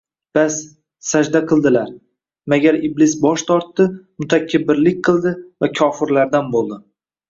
Bas, sajda qildilar, magar Iblis bosh tortdi, mutakabbirlik qildi va kofirlardan bo‘ldi».